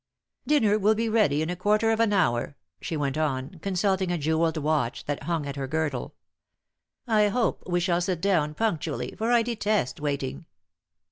"Dinner will be ready in a quarter of an hour," she went on, consulting a jewelled watch that hung at her girdle. "I hope we shall sit down punctually, for I detest waiting."